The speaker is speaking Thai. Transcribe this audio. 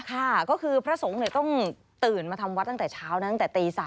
ค่ะก็คือพระสงฆ์ต้องตื่นมาทำวัดตั้งแต่เช้านะตั้งแต่ตี๓